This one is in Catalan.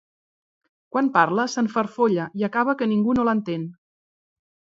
Quan parla, s'enfarfolla i acaba que ningú no l'entén.